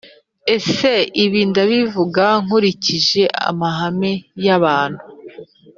Ese ibi ndabivuga nkurikije amahame y abantu